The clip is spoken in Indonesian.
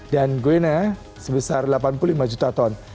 dan gwena sebesar delapan puluh lima juta ton